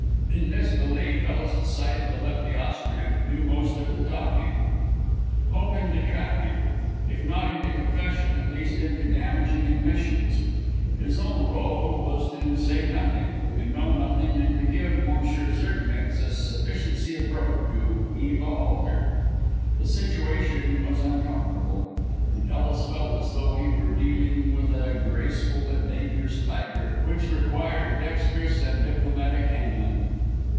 In this belief Ellis decided to let the Austrian do most of the talking, hoping to trap him if not into confession at least into damaging admissions. His own rôle was to say nothing to know nothing and to give M. Zirknitz a sufficiency of rope to weave a halter. The situation was uncomfortable, and Ellis felt as though he were dealing with a graceful but dangerous tiger which required dexterous and diplomatic handling.